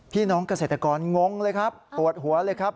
พี่น้องเกษตรกรงงเลยครับปวดหัวเลยครับ